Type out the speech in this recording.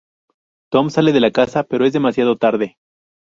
Tom sale de la casa, pero es demasiado tarde.